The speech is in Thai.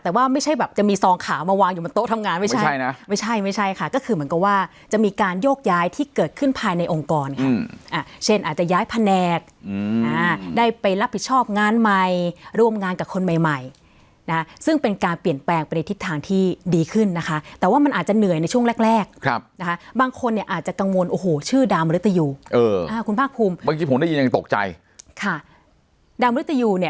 แต่ว่าไม่ใช่แบบจะมีซองขามาวางอยู่บนโต๊ะทำงานไม่ใช่ไม่ใช่นะ